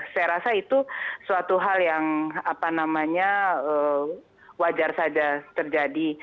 saya rasa itu suatu hal yang wajar saja terjadi